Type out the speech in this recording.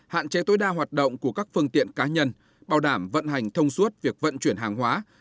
hạn chế tối đa hoạt động của các phương tiện cá nhân bảo đảm vận hành thông suốt việc vận chuyển hàng hóa